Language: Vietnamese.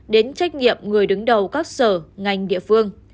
đến trách nhiệm người đứng đầu các sở ngành địa phương